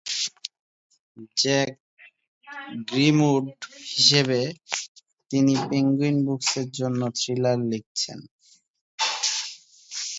Jack Grimwood হিসেবে তিনি Penguin বুকসের জন্য থ্রিলার লিখছেন।